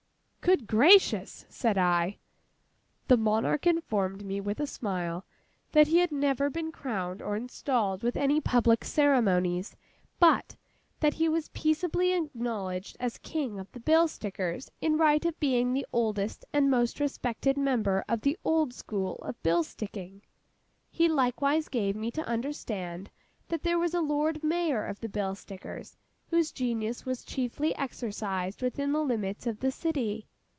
'Good gracious!' said I. The monarch informed me, with a smile, that he had never been crowned or installed with any public ceremonies, but that he was peaceably acknowledged as King of the Bill Stickers in right of being the oldest and most respected member of 'the old school of bill sticking.' He likewise gave me to understand that there was a Lord Mayor of the Bill Stickers, whose genius was chiefly exercised within the limits of the city.